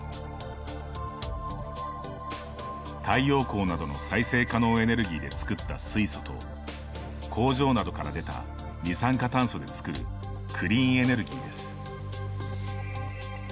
太陽光などの再生可能エネルギーで作った水素と工場などから出た二酸化炭素で作るクリーンエネルギーです。